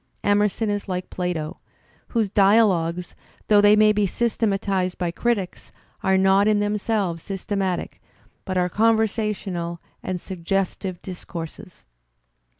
Emerson is like Plato, whose dialogues, though they may be systematized by critics, are not in themselves systematic, but are conversational and suggestive discourses.